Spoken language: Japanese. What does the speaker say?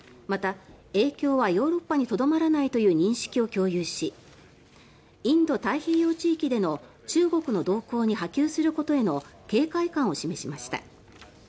また、影響はヨーロッパにとどまらないという認識を共有しインド太平洋地域での中国の動向に波及することへの警戒感を示しました。